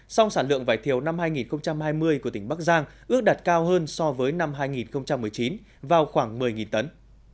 song sản lượng vải thiều năm hai nghìn hai mươi của tỉnh bắc giang ước đạt cao hơn so với năm hai nghìn một mươi chín vào khoảng một mươi tấn